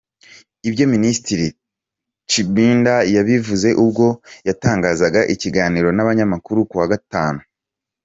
Ibyo Minisitiri Tshibanda yabivuze ubwo yatangaga ikiganiro n’abanyamakuru ku wa Gatanu.